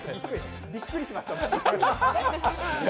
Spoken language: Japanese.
びっくりしました、僕。